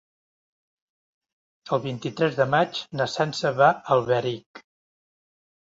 El vint-i-tres de maig na Sança va a Alberic.